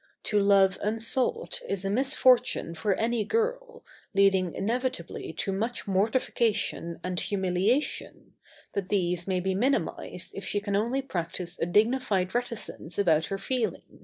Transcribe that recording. To love unsought is a misfortune for any girl, leading inevitably to much mortification and humiliation, but these may be minimised if she can only practice a dignified reticence about her feelings.